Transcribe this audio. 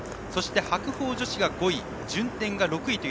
白鵬女子が５位順天が６位。